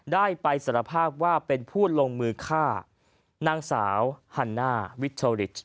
ได้ไปสารภาพว่าเป็นผู้ลงมือฆ่านางสาวฮันน่าวิทเทอริช